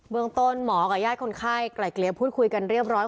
เมืองต้นหมอกับญาติคนไข้ไกลเกลียพูดคุยกันเรียบร้อย